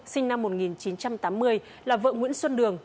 sinh năm một nghìn chín trăm tám mươi là vợ nguyễn xuân đường